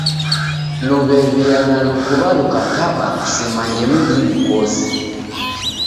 Luw'ew'ia na lukuw'a lukakaba kusemange mdinyi kosi.